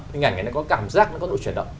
thì ảnh này nó có cảm giác nó có độ chuyển động